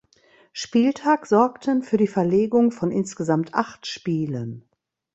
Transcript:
Spieltag sorgten für die Verlegung von insgesamt acht Spielen.